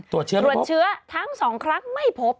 ตรวจเชื้อไม่พบตรวจเชื้อทั้ง๒ครั้งไม่พบ